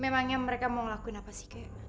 memangnya mereka mau ngelakuin apa sih kayak